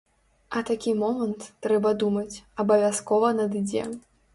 А такі момант, трэба думаць, абавязкова надыдзе.